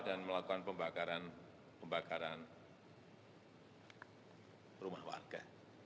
dan melakukan pembakaran rumah warga